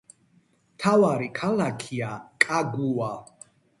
მთავარი ქალაქია კაგუა.